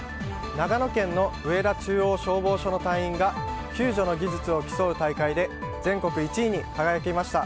長野県の上田中央消防署の隊員が救助の技術を競う大会で全国１位に輝きました。